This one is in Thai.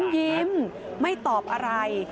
ยิ้มไม่ตอบอะไร